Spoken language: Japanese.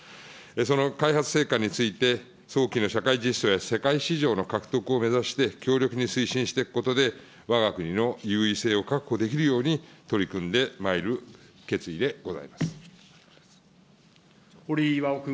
その開発成果について、早期の社会実証や、世界市場の獲得を目指して、強力に推進していくことで、わが国の優位性を確保できるように、取り組んでまいる決意でござ堀井巌君。